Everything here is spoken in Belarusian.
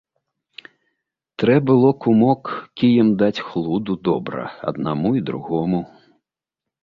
Трэ было, кумок, кіем даць хлуду добра аднаму і другому.